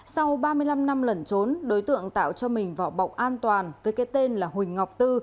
sau ba mươi năm năm lẩn trốn đối tượng tạo cho mình vỏ bọc an toàn với cái tên là huỳnh ngọc tư